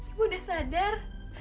ibu udah sadar